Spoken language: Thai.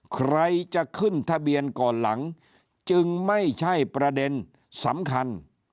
ใครจะขึ้นทะเบียนก่อนหลังจึงไม่ใช่ประเด็นสำคัญ